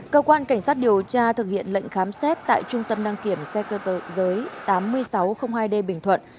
cơ quan cảnh sát điều tra thực hiện lệnh khám xét tại trung tâm đăng kiểm xe cơ giới tám mươi sáu hai d bình thuận